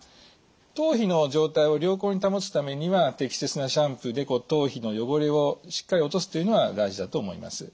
頭皮の状態を良好に保つためには適切なシャンプーで頭皮の汚れをしっかり落とすというのは大事だと思います。